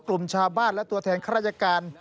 กลุ่มชาวบ้านและตัวแทนข้าราชการ